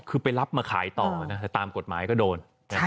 คือไปรับมาขายต่อตามกฎหมายก็โดน